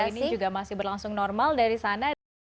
dan sejauh ini juga masih berlangsung normal dari sana